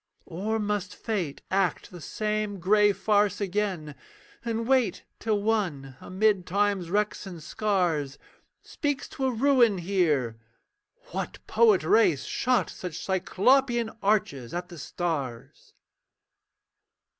Or must Fate act the same grey farce again, And wait, till one, amid Time's wrecks and scars, Speaks to a ruin here, 'What poet race Shot such cyclopean arches at the stars?'